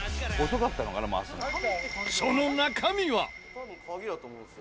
その中身は？